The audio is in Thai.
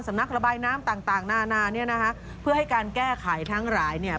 นักระบายน้ำต่างต่างนานาเนี่ยนะคะเพื่อให้การแก้ไขทั้งหลายเนี่ย